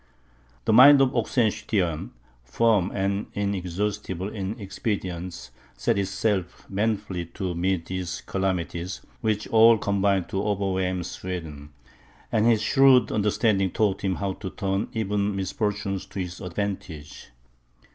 The mind of Oxenstiern, firm, and inexhaustible in expedients, set itself manfully to meet these calamities, which all combined to overwhelm Sweden; and his shrewd understanding taught him how to turn even misfortunes to his advantage.